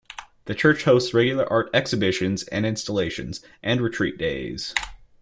The church hosts regular art exhibitions and installations, and retreat days.